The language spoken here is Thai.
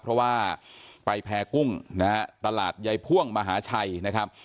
เพราะว่าไปแพร่กุ้งนะฮะตลาดยายพ่วงมหาชัยนะครับ